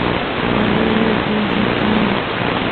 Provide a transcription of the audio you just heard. agueloy tullu kan